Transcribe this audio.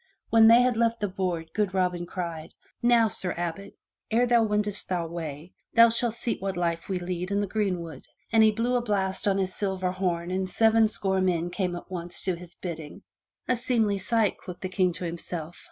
When they had left the board, good Robin cried, ''Now, Sir Abbot, ere thou wendest thy way, thou shalt see what life we lead in the greenwood." And he blew a blast on his silver horn and seven score men sprang at once to his bidding. "A seemly sight," quoth the King to himself.